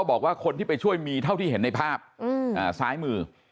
บอกว่าคนที่ไปช่วยมีเท่าที่เห็นในภาพซ้ายมือ